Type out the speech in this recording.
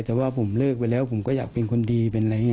แต่ว่าผมเลิกไปแล้วผมก็อยากเป็นคนดี